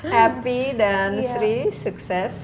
happy dan sri sukses